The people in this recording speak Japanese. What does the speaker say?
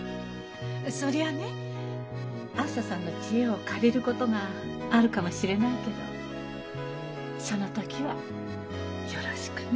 そりゃあねあづささんの知恵を借りることがあるかもしれないけどその時はよろしくね。